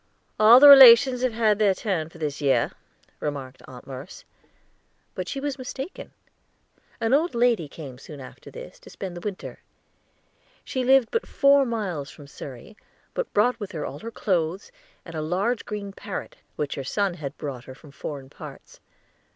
"All the relations have had their turn for this year," remarked Aunt Merce. But she was mistaken; an old lady came soon after this to spend the winter. She lived but four miles from Surrey, but brought with her all her clothes, and a large green parrot, which her son had brought from foreign parts.